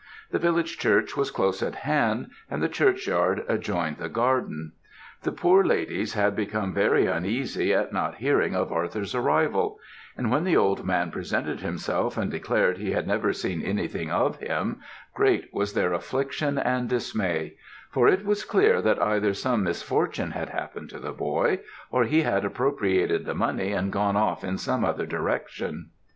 The village church was close at hand, and the churchyard adjoined the garden. The poor ladies had become very uneasy at not hearing of Arthur's arrival; and when the old man presented himself and declared he had never seen anything of him, great was their affliction and dismay; for it was clear that either some misfortune had happened to the boy, or he had appropriated the money and gone off in some other direction.